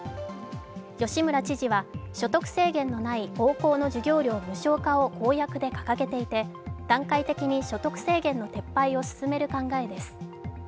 吉村知事は所得制限のない高校の授業料無償化を公約で掲げていて段階的に所得制限の撤廃を進める考えです。